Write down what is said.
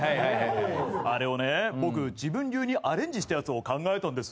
あれをね、僕自分流にアレンジしたやつを考えたんです。